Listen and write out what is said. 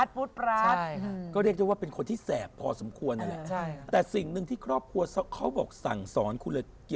ฟุ๊ทพร้าท